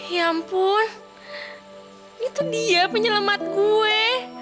ya ampun itu dia penyelamat kue